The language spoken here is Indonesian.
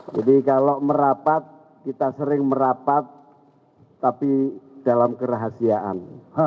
jadi kalau merapat kita sering merapat tapi dalam kerahasiaan